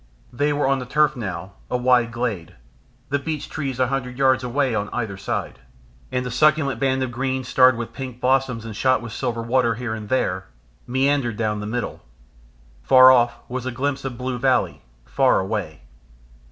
They were on turf now, a wide glade the beech trees a hundred yards away on either side, and a succulent band of green starred with pink blossom and shot with silver water here and there, meandered down the middle. Far off was a glimpse of blue valley far away.